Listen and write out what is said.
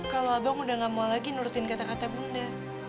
kalau abang udah gak mau lagi nurutin kata kata bunda